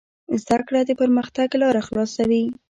زده کړه د پرمختګ لاره خلاصوي.